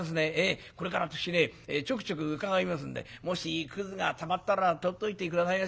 これから私ちょくちょく伺いますんでもしくずがたまったら取っといて下さいまし。